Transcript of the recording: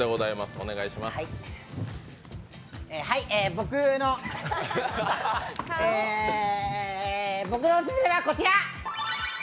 僕の、僕のオススメはこちら。